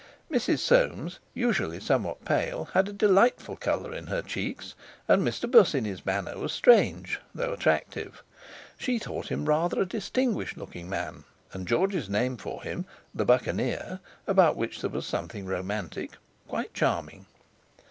Mrs. Soames, usually somewhat pale, had a delightful colour in her cheeks; and Mr. Bosinney's manner was strange, though attractive (she thought him rather a distinguished looking man, and George's name for him, "The Buccaneer"—about which there was something romantic—quite charming).